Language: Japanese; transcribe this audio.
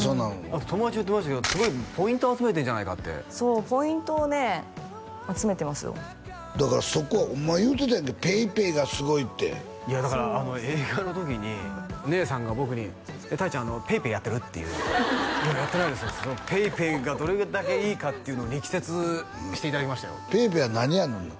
友達言ってましたけどすごいポイント集めてんじゃないかってそうポイントをね集めてますよだからそこお前言うてたやんけ「ＰａｙＰａｙがすごい」っていやだから映画の時に姉さんが僕に「たいちゃんＰａｙＰａｙやってる？」っていう「いややってないです」ってＰａｙＰａｙがどれだけいいかっていうのを力説していただきましたよＰａｙＰａｙは何やの？